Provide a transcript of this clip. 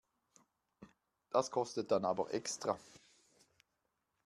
Das kostet dann aber extra.